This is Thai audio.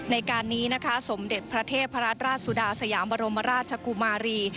ในการนี้นะคะสมเด็จพระเทพรัตนราชสุดาสยามบรมราชกุมารี